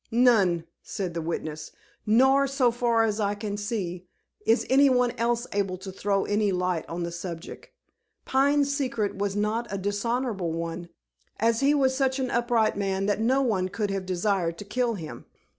"None," said the witness. "Nor, so far as I can see, is any one else able to throw any light on the subject. Pine's secret was not a dishonorable one, as he was such an upright man that no one could have desired to kill him."